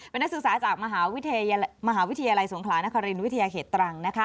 เป็นนักศึกษาจากมหาวิทยาลัยสงขลานครินวิทยาเขตตรัง